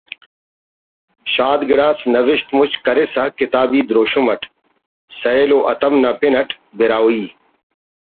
شاد گڑاس نوشت مُچ کرسا کتابی دروشم اٹ ”سہیل و ہتم“ نا پن اٹ براہوئی